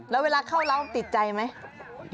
แล้วเวลาเข้าเราติดใจไหม